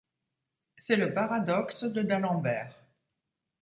C'est le paradoxe de D'Alembert.